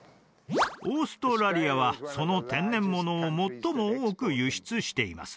オーストラリアはその天然物を最も多く輸出しています